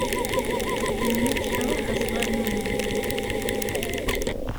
Yemma tekṛeh aẓɣal n unebdu.